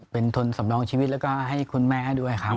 เป็นทุนสำรองชีวิตแล้วก็ให้คุณแม่ให้ด้วยครับ